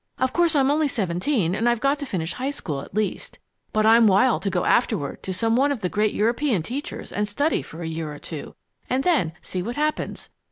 Of course, I'm only seventeen and I've got to finish high school, at least. But I'm wild to go afterward to some one of the great European teachers and study for a year or two, and then see what happens.